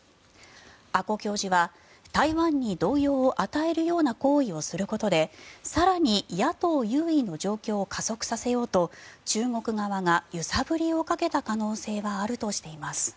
阿古教授は、台湾に動揺を与えるような行為をすることで更に野党優位の状況を加速させようと中国側が揺さぶりをかけた可能性があるとしています。